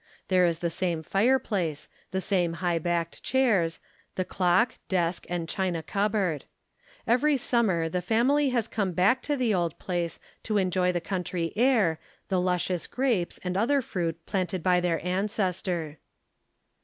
There is the same fireplace, the same high backed chairs, the clock, desk, and china cupboard. Every summer the family has come back to the old place to enjoy the country air, the luscious grapes and other fruit planted by their ancestor.